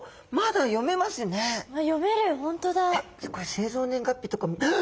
製造年月日とかもはっ！